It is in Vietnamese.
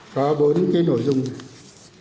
có bốn cái nội dung này